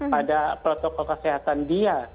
pada protokol kesehatan dia